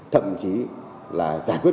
thậm chí là giải quyết